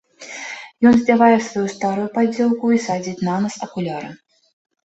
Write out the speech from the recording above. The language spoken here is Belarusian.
Ён здзявае сваю старую паддзёўку і садзіць на нос акуляры.